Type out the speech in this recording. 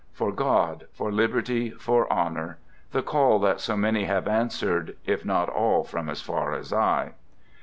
" For God, for Liberty, for Honor," the call that so many have answered, if not all from as far as I.